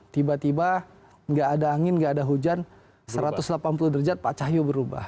tiba tiba nggak ada angin nggak ada hujan satu ratus delapan puluh derajat pak cahyo berubah